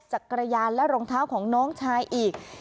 จากกระยาลและรองเท้าของน้องชายอย่างอีก